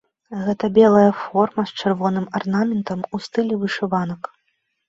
Гэта белая форма з чырвоным арнаментам у стылі вышыванак.